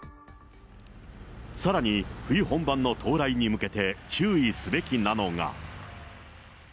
さらに冬本番の到来に向けて、注意すべきなのが。